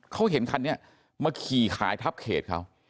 เขาเห็นคันนี้มาขี่ขายทับเขตเขา